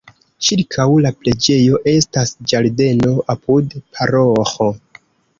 Ĉirkaŭ la preĝejo estas ĝardeno, apude paroĥo.